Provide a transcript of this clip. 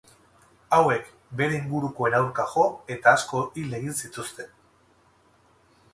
Hauek bere ingurukoen aurka jo eta asko hil egin zituzten.